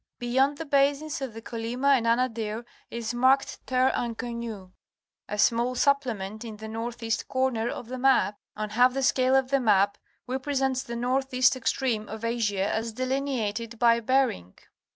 Beyond the basins of the Kolyma and Anadyr is marked '¢ Terre inconnue"; a small supplement in the north east corner of the map, on half the scale of the map, represents the north east extreme of Asia as delineated by Bering.